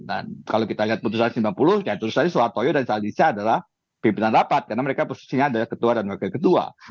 dan kalau kita lihat putusan sembilan puluh ya terus tadi soal toyo dan saldi adalah pimpinan rapat karena mereka posisinya adalah ketua dan wakil ketua